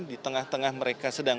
di tengah tengah mereka sedang